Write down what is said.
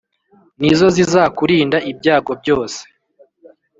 ni zo zizakurinda ibyago byose